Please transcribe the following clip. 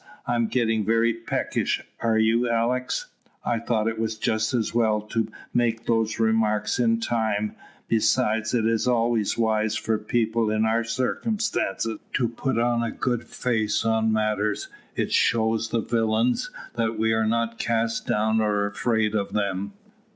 I am getting very peckish; are you, Alick? I thought it was just as well to make those remarks in time; besides, it is always wise for people in our circumstances to put a good face on matters; it shows the villains that we are not cast down or afraid of them."